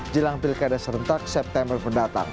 jelang pilkada serentak september mendatang